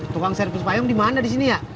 tukang seri puspayung di mana di sini ya